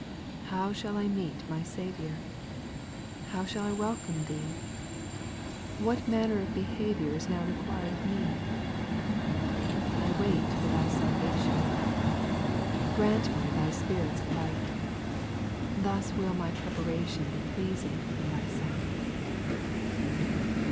TTOW shall I meet my Saviour ? XI How shall [ welcome Thee ? What manner of behaviour Ts now required of me ? I wait for Thy salvation ; Grant me Thy Spirit's light, Thus will my preparation Be pleasing in Thy sight.